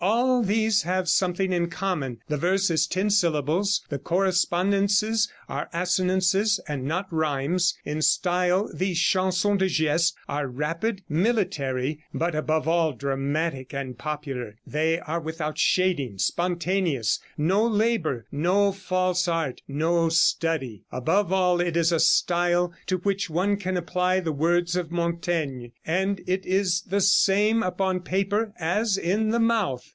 All these have something in common; the verse is ten syllables, the correspondences are assonances and not rhymes. In style these Chansons de Geste are rapid, military, but above all dramatic and popular. They are without shading, spontaneous, no labor, no false art, no study. Above all it is a style to which one can apply the words of Montaigne, and it is the same upon paper as in the mouth.